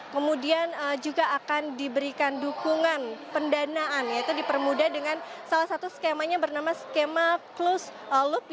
kemudian juga akan diberikan dukungan pendanaan yaitu dipermudah dengan salah satu skemanya bernama skema close loop